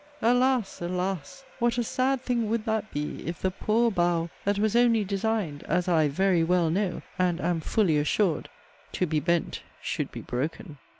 Alas! alas! what a sad thing would that be, if the 'poor bough,' that was only designed (as I 'very well know,' and am 'fully assured') 'to be bent, should be broken!'